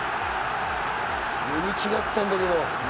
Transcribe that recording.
読み違ったんだけど。